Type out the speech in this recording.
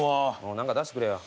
何か出してくれよ。